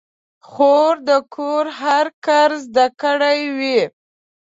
خور د کور هر کار زده کړی وي.